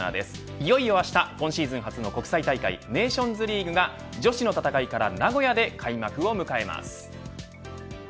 いよいよあした今シーズン初の国際大会ネーションズリーグが女子の戦いから名古屋で開幕を迎えます。